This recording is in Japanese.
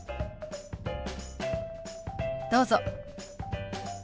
どうぞ。